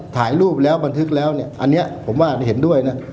ถ่ายรูปแล้วบันทึกแล้วเนี่ยอันนี้ผมว่าเห็นด้วยนะ